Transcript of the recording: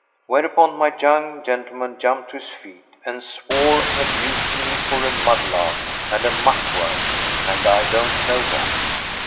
Whereupon my young gentleman jumped to his feet and swore and abused me for a mudlark and a muckworm and I don't know what.